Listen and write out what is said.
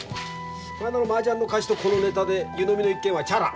こないだのマージャンの貸しとこのネタで湯飲みの一件はチャラ。